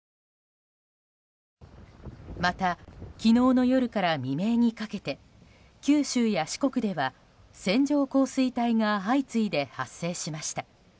また、昨日の夜から未明にかけて九州や四国では線状降水帯が相次いで発生しました。